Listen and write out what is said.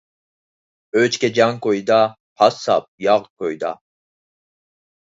ئۆچكە جان كويىدا، قاسساپ ياغ كويىدا.